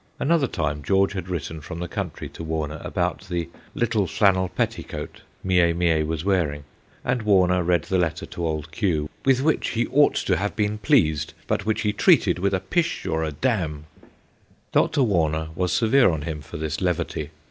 Another time George had written from the country to Warner about ' the little flannel petticoat ' Mie Mie was wearing, and Warner read the letter to Old Q., * with which he ought to have been pleased, but which he treated with a pish or a damn/ Dr. Warner was severe on him for this levity.